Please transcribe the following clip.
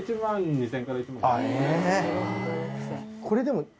これでも。